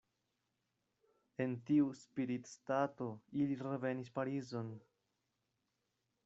En tiu spiritstato ili revenis Parizon.